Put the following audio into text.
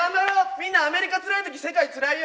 みんなアメリカつらい時世界つらいよ。